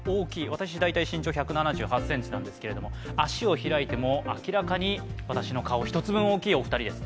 私、身長１７８ｃｍなんですけれども足を開いても明らかに私の顔１つ分大きいお二人です。